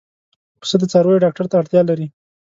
پسه د څارویو ډاکټر ته اړتیا لري.